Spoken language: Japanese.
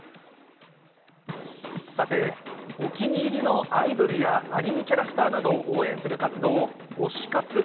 さて、お気に入りのアイドルや、アニメキャラクターなどを応援する活動を、推し活。